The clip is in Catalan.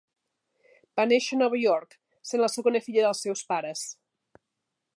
Va néixer a Nova York, sent la segona filla dels seus pares.